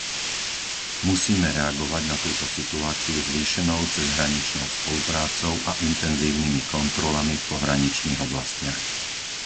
Musíme reagovať na túto situáciu zvýšenou cezhraničnou spoluprácou a intenzívnymi kontrolami v pohraničných oblastiach.